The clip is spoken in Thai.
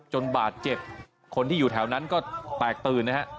จนบาดเจ็บคนที่อยู่แถวนั้นก็แตกตื่นนะฮะ